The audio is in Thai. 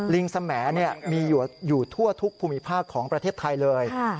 ลิงสแหมดมีอยู่ทั่วทุกภูมิภาคของประเทศไทยเลย